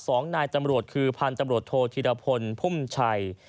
สองนายตำรวจคือพันธุ์ตำรวจโทษธิรพลพุ่มชัย